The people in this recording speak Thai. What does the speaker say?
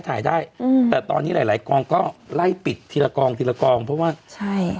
ถ่ายได้อืมแต่ตอนนี้หลายหลายกองก็ไล่ปิดทีละกองทีละกองเพราะว่าใช่